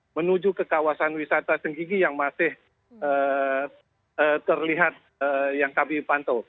ada yang menuju ke kawasan wisata senggigi yang masih terlihat yang kami pantul